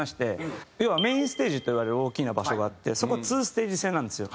要はメインステージといわれる大きな場所があってそこ２ステージ制なんですよ。